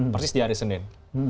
persis di hari senin